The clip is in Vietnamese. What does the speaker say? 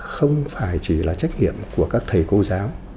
không phải chỉ là trách nhiệm của các thầy cô giáo